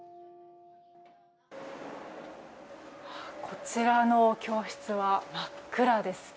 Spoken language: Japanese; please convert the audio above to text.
こちらの教室は真っ暗です。